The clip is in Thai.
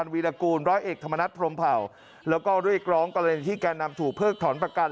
พลเอกการนำถูกเพิ่งถอนประกัน